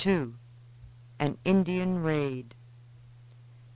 AN INDIAN RAID.